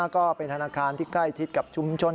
ก็เป็นธนาคารที่ใกล้ชิดกับชุมชน